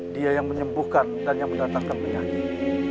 dia yang menyembuhkan dan yang mendatangkan penyakit